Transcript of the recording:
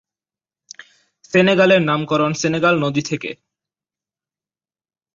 সেনেগাল-এর নামকরণ সেনেগাল নদী থেকে।